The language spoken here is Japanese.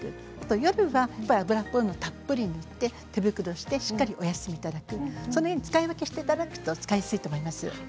夜は油っこいものをたっぷり塗って手袋をしてしっかりお休みいただく使い分けをしていただくと使いやすいと思います。